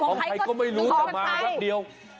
ของใครก็ไม่รู้แต่มาแป๊บเดียว